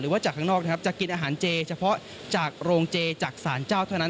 ว่าจากข้างนอกนะครับจะกินอาหารเจเฉพาะจากโรงเจจากสารเจ้าเท่านั้น